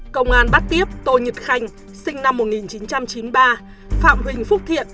công an bắt tiếp tô nhật khanh sinh năm một nghìn chín trăm chín mươi ba phạm huỳnh phúc thiện